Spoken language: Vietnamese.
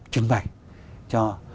trưng bày cho